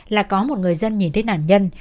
là có một người dân nhìn thấy nạn nhân